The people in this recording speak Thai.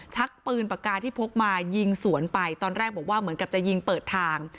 ชักปืนปากกาที่พกมายิงสวนไปตอนแรกบอกว่าเหมือนกับจะยิงเปิดทาง